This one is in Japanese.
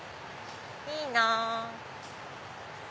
いいなぁ。